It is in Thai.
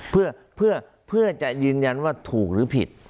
เพื่อจะยืนยันว่าถูกหรือผิด